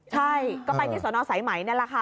ใช่ก็ไปที่สนสายไหมนั่นแหละค่ะ